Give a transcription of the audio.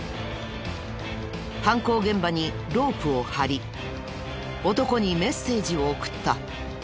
犯行現場にロープを張り男にメッセージを送った。